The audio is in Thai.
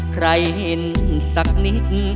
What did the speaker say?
ใครเห็นสักนิด